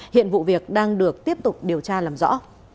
hiện vụ việc đang được tiếp tục điều tra làm rõ